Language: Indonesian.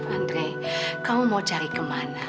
andre kamu mau cari ke mana